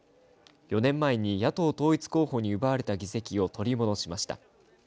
４年前に野党統一候補に奪われた議席を取り戻しました。